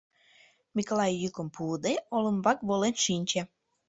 Миклай, йӱкым пуыде, олымбак волен шинче.